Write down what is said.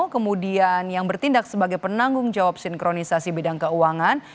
kemudian yang bertindak sebagai penanggung jawab sinkronisasi bidang keuangan